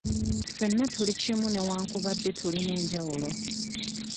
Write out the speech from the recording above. Ffenna tuli kimu newankubadde tulina enjawulo